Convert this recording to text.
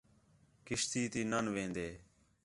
کشتی تی نان وِھندیں